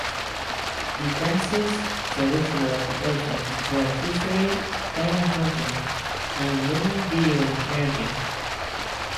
The Khantys' traditional occupations were fishery, taiga hunting and reindeer herding.